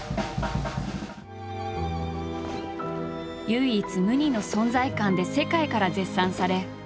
唯一無二の存在感で世界から絶賛され